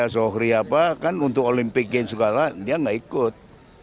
sohri apa kan untuk olimpiade dan segala dia enggak ikut